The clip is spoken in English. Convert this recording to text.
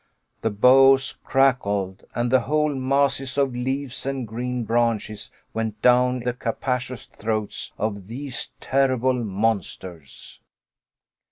The boughs crackled, and the whole masses of leaves and green branches went down the capacious throats of these terrible monsters!